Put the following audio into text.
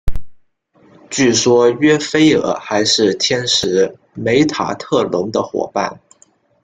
据说约斐尔还是天使梅塔特隆的同伴。